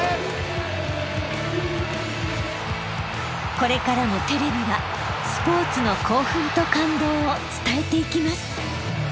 これからもテレビはスポーツの興奮と感動を伝えていきます。